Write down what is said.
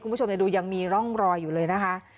คุณผู้ชมยังดูยังมีร่องรอยอยู่เลยนะคะ